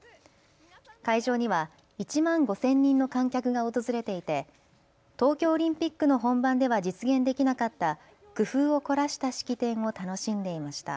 会場には１万５０００人の観客が訪れていて、東京オリンピックの本番では実現できなかった工夫を凝らした式典を楽しんでいました。